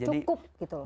cukup gitu loh